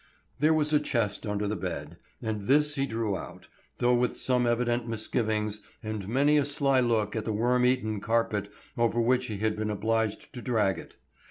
There was a chest under the bed, and this he drew out, though with some evident misgivings and many a sly look at the worm eaten carpet over which he had been obliged to drag it.